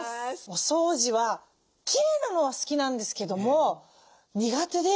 お掃除はきれいなのは好きなんですけども苦手で。